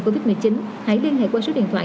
covid một mươi chín hãy liên hệ qua số điện thoại